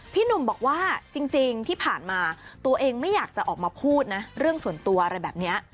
พี่หนุ่มบอกว่าจริงที่ผ่านมาตัวเองไม่อยากจะออกมาพูดนะเรื่องส่วนตัวอะไรแบบนี้